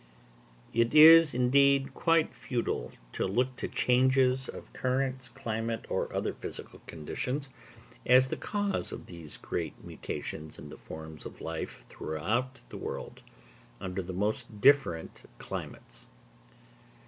It is, indeed, quite futile to look to changes of currents, climate, or other physical conditions, as the cause of these great mutations in the forms of life throughout the world, under the most different climates.